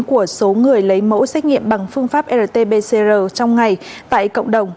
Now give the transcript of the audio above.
của số người lấy mẫu xét nghiệm bằng phương pháp rt pcr trong ngày tại cộng đồng